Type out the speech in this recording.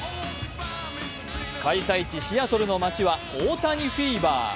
開催地シアトルの街は大谷フィーバー。